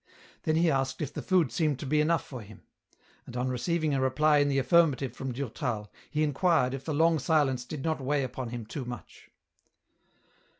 Then he asked if the food seemed to be enough for him. And on receiving a reply in the affirmative from Durtal he inquired if the long silence did not weigh upon him too much.